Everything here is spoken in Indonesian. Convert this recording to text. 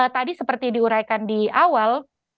tadi seperti diuraikan di awal